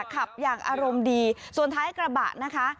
ขับอย่างอารมณ์ดีส่วนท้ายกระบะนะคะ